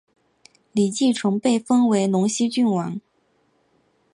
李继崇被封为陇西郡王。